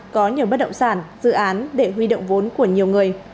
có nhiều bất động sản dự án để huy động vốn của nhiều người